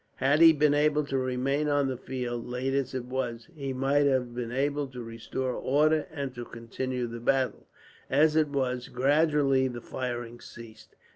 Had he been able to remain on the field, late as it was, he might have been able to restore order and to continue the battle; as it was, gradually the firing ceased.